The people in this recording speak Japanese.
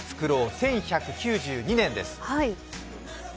１１９２年です。